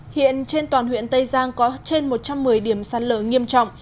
hiện trên toàn huyện tây giang có trên một trăm một mươi điểm sạt lở nghiêm trọng